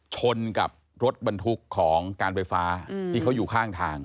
ชนกับรถบรรทุกของการไฟฟ้าที่เขาอยู่ข้างทาง